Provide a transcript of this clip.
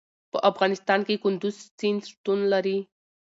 په افغانستان کې کندز سیند شتون لري.